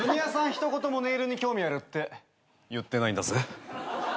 一言もネイルに興味あるって言ってないんだぜ。